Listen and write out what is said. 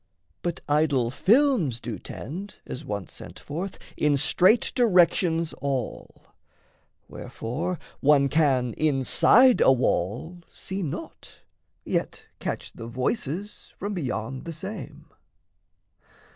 But idol films do tend, As once sent forth, in straight directions all; Wherefore one can inside a wall see naught, Yet catch the voices from beyond the same.